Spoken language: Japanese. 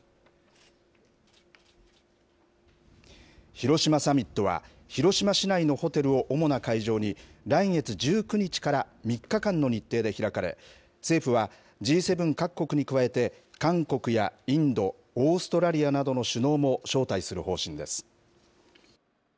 広島サミットは広島市内のホテルを主な会場に、来月１９日から３日間の日程で開かれ、政府はＧ７各国に加えて、韓国やインド、オーストラリアなどの首脳も招待する方針です。